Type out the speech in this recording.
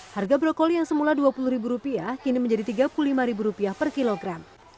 harga brokoli yang semula dua puluh ribu rupiah kini menjadi tiga puluh lima ribu rupiah per kilogram